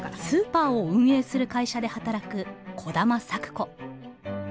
スーパーを運営する会社で働く兒玉咲子。